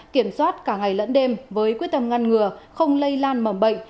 kiểm soát cả ngày lẫn đêm với quyết tâm ngăn ngừa không lây lan mầm bệnh